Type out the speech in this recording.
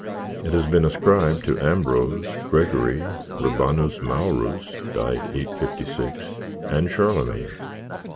It has been ascribed to Ambrose, Gregory, Rhabanus Maurus (died 856), and Charlemagne.